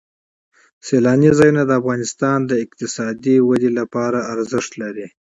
سیلانی ځایونه د افغانستان د اقتصادي ودې لپاره ارزښت لري.